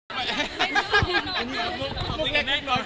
ตอนนี้ก็ดูแลตัวเองค่ะโปรกัสที่ตัวเองค่ะ